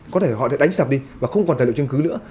có thể họ sẽ đánh sập đi và không còn tài liệu chứng cứ nữa